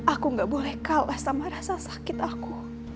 aku gak boleh kalah sama rasa sakit aku